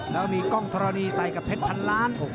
แล้วมีกล้องธรณีใส่กับเพชรพันล้าน